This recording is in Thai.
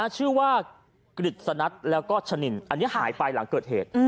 ชื่อว่ากฤษณัทแล้วก็ชะนินอันนี้หายไปหลังเกิดเหตุ